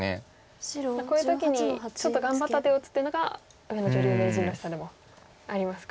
こういう時にちょっと頑張った手を打つというのが上野女流名人らしさでもありますか。